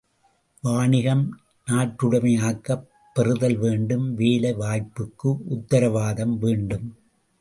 வாணிகம் நாட்டுடைமையாக்கப் பெறுதல் வேண்டும் வேலை வாய்ப்புக்கு உத்தரவாதம் வேண்டும்.